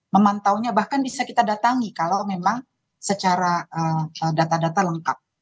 memantaunya bahkan bisa kita datangi kalau memang secara data data lengkap